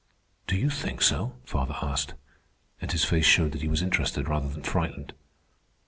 "Do you think so?" father asked, and his face showed that he was interested rather than frightened.